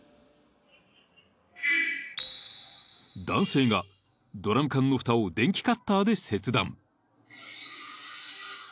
［男性がドラム缶のふたを電気カッターで切断］